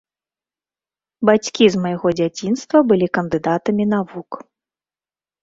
Бацькі з майго дзяцінства былі кандыдатамі навук.